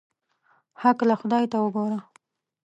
هکله خدای ته وګوره.